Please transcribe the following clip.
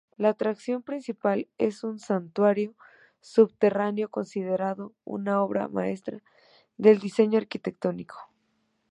La atracción principal es un santuario subterráneo, considerado una obra maestra del diseño arquitectónico.